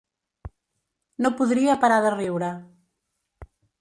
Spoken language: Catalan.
No podria parar de riure.